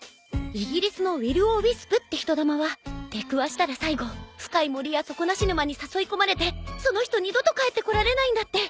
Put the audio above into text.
イギリスのウィル・オ・ウィスプって人だまは出くわしたら最後深い森や底なし沼に誘い込まれてその人二度と帰ってこられないんだって。